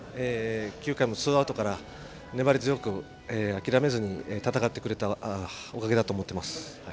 ９回もツーアウトから粘り強く諦めずに戦ってくれたおかげだと思ってます。